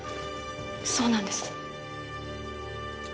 そうなんです。